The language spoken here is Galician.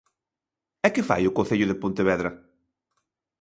¿E que fai o Concello de Pontevedra?